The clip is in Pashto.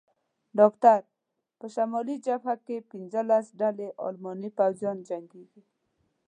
ډاکټر: په شمالي جبهه کې پنځلس ډلې الماني پوځیان جنګېږي.